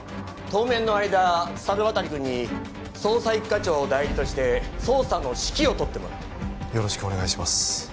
当面の間猿渡君に捜査一課長代理として捜査の指揮を執ってもらうよろしくお願いします